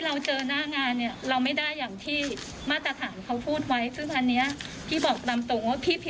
แล้วก็เขียนในสัญญาระบุชัดเจมส์ว่าพื้นมันเป็นอย่างไร